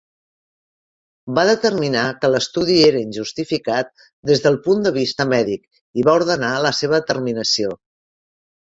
Va determinar que l'estudi era injustificat des del punt de vista mèdic i va ordenar la seva terminació.